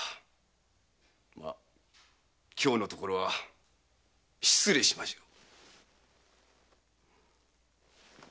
ま今日のところは失礼しましょう。